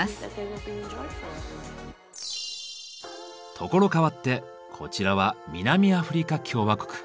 所変わってこちらは南アフリカ共和国。